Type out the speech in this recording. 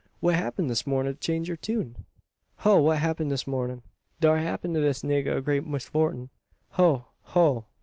What happened this mornin' to change yur tune?" "Ho! what happen dis mornin'? Dar happen to dis nigga a great misfortin'. Ho! ho!